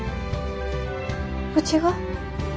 うちが？